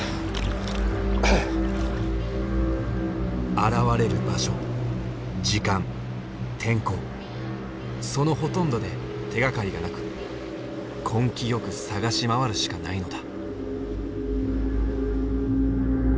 現れる場所時間天候そのほとんどで手がかりがなく根気よく探し回るしかないのだ。